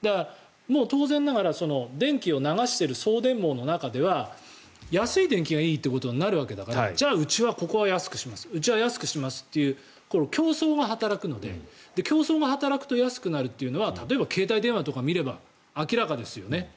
当然ながら電気を流している送電網の中では安い電気がいいとなるわけだからじゃあ、うちはここは安くしますうちは安くしますと競争が働くので競争が働くと安くなるというのは例えば携帯電話とか見れば明らかですよね。